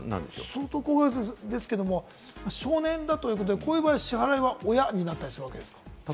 相当高額ですけれども、少年だということで、こういう場合、支払いは親になったりするんですか？